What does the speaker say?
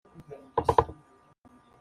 - abana bavuye ku iriba bajya mu ishuri.